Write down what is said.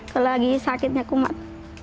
selagi sakitnya kumat